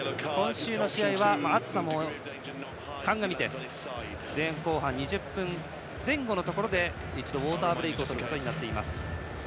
暑さもかんがみて前後半２０分前後のところで一度ウォーターブレークをとることになっています。